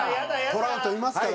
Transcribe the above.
トラウトいますからね。